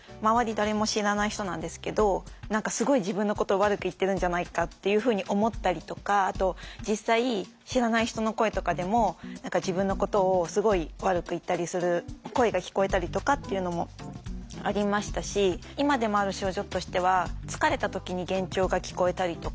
誰も知らない人なんですけど何かすごい自分のことを悪く言ってるんじゃないかっていうふうに思ったりとかあと実際知らない人の声とかでも何か自分のことをすごい悪く言ったりする声が聞こえたりとかっていうのもありましたし今でもある症状としては疲れた時に幻聴が聞こえたりとか。